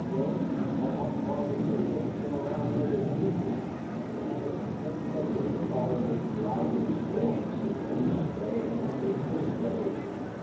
Joe, I thought Claudine had chased him around there to DO me!" And, instantly, followed Louden's voice: "STEADY, HAPPY, STEADY!"